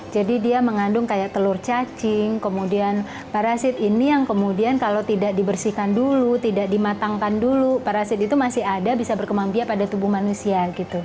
jadi dia mengandung kayak telur cacing kemudian parasit ini yang kemudian kalau tidak dibersihkan dulu tidak dimatangkan dulu parasit itu masih ada bisa berkemampia pada tubuh manusia